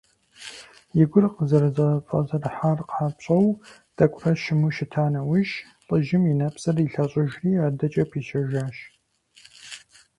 И гур къызэрызэфӀэзэрыхьар къапщӀэу, тӀэкӀурэ щыму щыта нэужь, лӀыжьым и нэпсыр илъэщӀыжри, адэкӀэ пищэжащ.